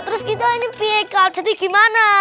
terus kita ini pik jadi gimana